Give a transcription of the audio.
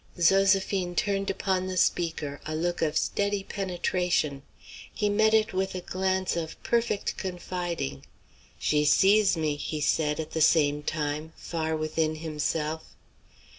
Zoséphine turned upon the speaker a look of steady penetration. He met it with a glance of perfect confiding. "She sees me," he said, at the same time, far within himself.